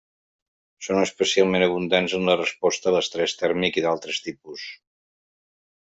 Són especialment abundants en la resposta a l'estrès tèrmic i d'altres tipus.